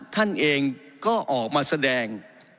ท่านเองก็ออกมาแสดง